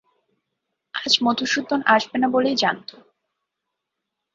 আজ মধুসূদন আসবে না বলেই জানত।